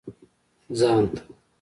ځان ته.